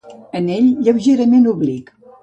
Anell lleugerament oblic.